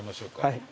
はい。